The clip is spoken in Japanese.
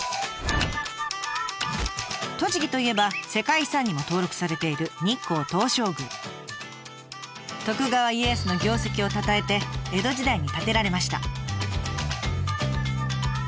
栃木といえば世界遺産にも登録されている徳川家康の業績をたたえて江戸時代に建てられました。